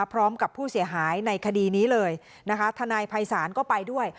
พร้อมกับผู้เสียหายในคดีนี้เลยนะคะทนายภัยศาลก็ไปด้วย